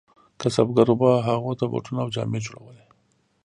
کسبګرو به هغو ته بوټونه او جامې جوړولې.